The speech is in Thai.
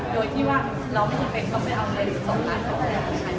โดยที่ว่าเราไม่จำเป็นต้องไปเอาเงิน๒ล้าน๒๐๐๐บาท